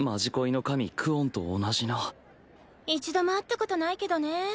一度も会ったことないけどね。